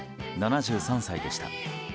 ７３歳でした。